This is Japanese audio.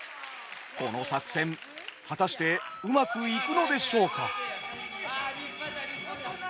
この作戦果たしてうまくいくのでしょうか。